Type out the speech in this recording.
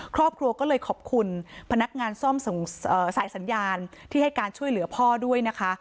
ครอบครัวก็เลยขอบคุณพนักงานซ่อมสายสัญญาณที่ให้การช่วยเหลือพ่อด้วยนะคะ